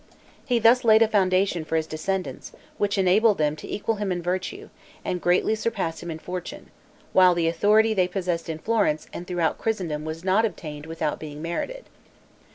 He thus laid a foundation for his descendants, which enabled them to equal him in virtue, and greatly surpass him in fortune; while the authority they possessed in Florence and throughout Christendom was not obtained without being merited.